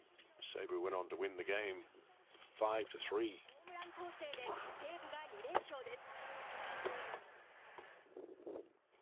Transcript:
ホームラン攻勢で西武が２連勝です。